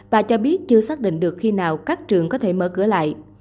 bà cho biết chưa xác định được khi nào các trường có thể mở cửa lại